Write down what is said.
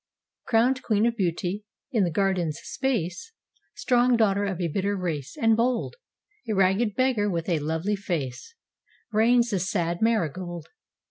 Crowned queen of beauty, in the garden's space, Strong daughter of a bitter race and bold, A ragged beggar with a lovely face, Reigns the sad marigold.